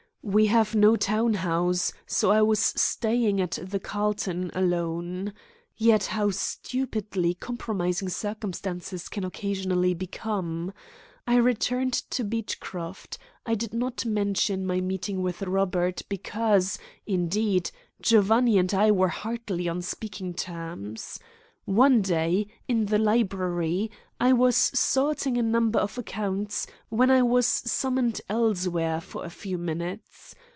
We have no town house, so I was staying at the Carlton alone. Yet how stupidly compromising circumstances can occasionally become! I returned to Beechcroft. I did not mention my meeting with Robert because, indeed, Giovanni and I were hardly on speaking terms. One day, in the library, I was sorting a number of accounts, when I was summoned elsewhere for a few minutes.